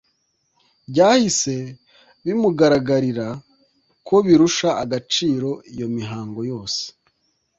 byahise bimugaragarira ko birusha agaciro iyo mihango yose.